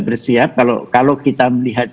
bersiap kalau kita melihat